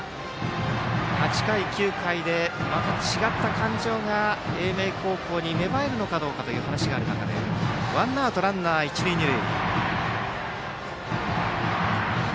８回、９回でまた違った感情が英明高校に芽生えるかという話がある中でワンアウトランナー、一塁二塁。